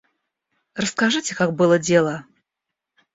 Расскажите, как было дело.